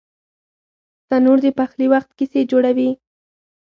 تنور د پخلي وخت کیسې جوړوي